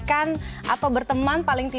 dan dilegon berlebihan sampai puasa